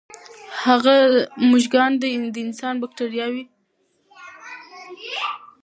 هغه موږکان چې د انسان بکتریاوې لري، نوي چاپېریال ته ښه تطابق شو.